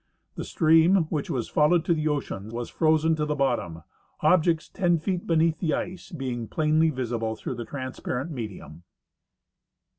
The stream, Avhicli Avas foUoAved to the ocean, Avas frozen to the bottom, objects ten feet beneath the ice being plainly visible through the transparent medium.